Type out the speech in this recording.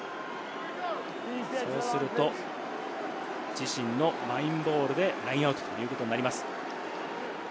そうすると自身のマイボールでラインアウトということになります。